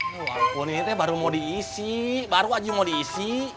ya ampun ini baru mau diisi